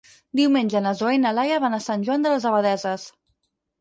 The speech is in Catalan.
Diumenge na Zoè i na Laia van a Sant Joan de les Abadesses.